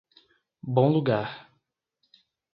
Bom Lugar